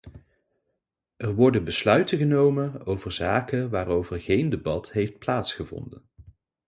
Er worden besluiten genomen over zaken waarover geen debat heeft plaatsgevonden.